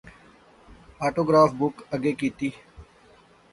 آٹو گراف بک اگے کیتی